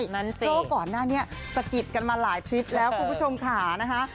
เพราะว่าก่อนหน้านี้สะกิดกันมาหลายทริปแล้วคุณผู้ชมค่ะนะคะ